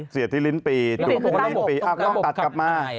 เสียดที่ลิ้นปีตัดกลับมา